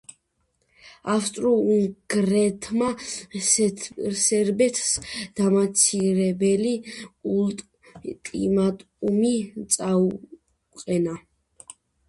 ავსტრო–უნგრეთმა სერბეთს დამამცირებელი ულტიმატუმი წაუყენა.